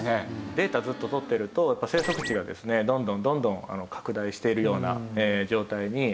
データをずっと採ってるとやっぱ生息地がですねどんどんどんどん拡大しているような状態にあります。